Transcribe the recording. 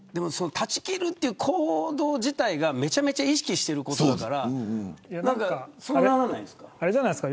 断ち切るという行動自体がめちゃくちゃ意識していることだからそうならないですか。